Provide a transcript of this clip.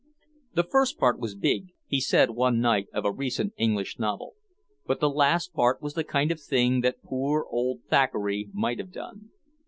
"The first part was big," he said one night of a recent English novel. "But the last part was the kind of thing that poor old Thackeray might have done."